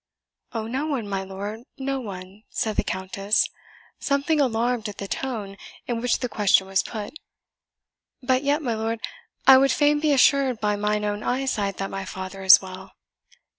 "Oh, no one, my lord, no one," said the Countess, something alarmed at the tone, in which the question was put; "but yet, my lord, I would fain be assured by mine own eyesight that my father is well."